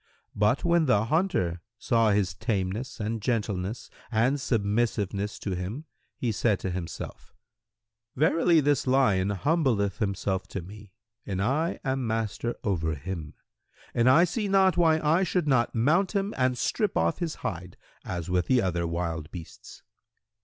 [FN#110] But when the hunter saw his tameness and gentleness and submissiveness to him, he said to himself, 'Verily this lion humbleth himself to me and I am master of him, and I see not why I should not mount him and strip off his hide, as with the other wild beasts.'